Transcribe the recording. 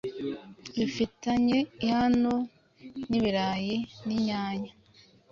Bifitanye iano nibirayi ninyanya